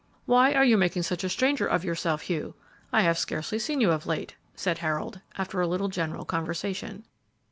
"Why are you making such a stranger of yourself; Hugh? I have scarcely seen you of late," said Harold, after a little general conversation.